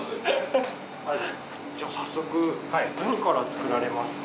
じゃあ早速何から作られますか？